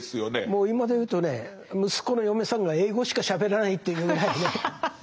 もう今でいうとね息子の嫁さんが英語しかしゃべらないというぐらいね。